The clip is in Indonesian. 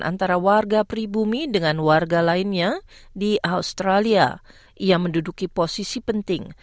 antara warga pribumi dengan warga lainnya di australia ia menduduki posisi penting